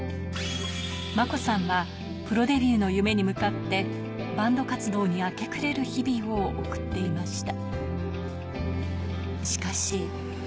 真子さんはプロデビューの夢に向かってバンド活動に明け暮れる日々を送っていました。